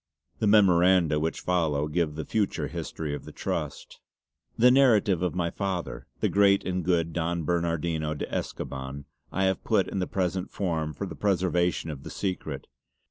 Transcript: '" The memoranda which follow give the future history of the Trust: "The narrative of my father, the great and good Don Bernardino de Escoban, I have put in the present form for the preservation of the secret.